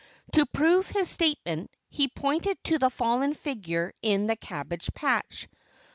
To prove his statement, he pointed to the fallen figure in the cabbage patch.